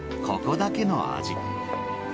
ここだけの味。